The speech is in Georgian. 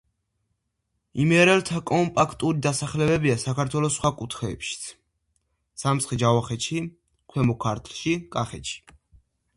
იმერელთა კომპაქტური დასახლებებია საქართველოს სხვა კუთხეებშიც: სამცხე-ჯავახეთი, ქვემო ქართლი, კახეთი.